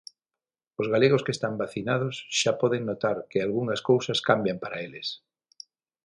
Os galegos que están vacinados xa poden notar que algunhas cousas cambian para eles.